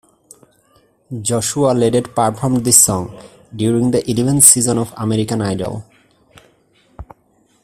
Joshua Ledet performed this song during the eleventh season of American Idol.